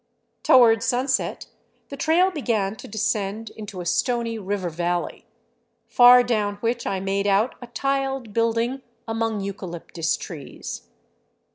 Toward sunset the trail began to descend into a stony river valley, far down which I made out a tiled building among eucalyptus trees.